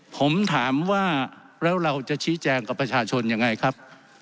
ผมถามว่าแล้วเราจะชี้แจงกับประชาชนยังไงครับ